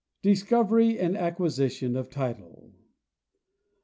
Discovery and Acquisition of Title.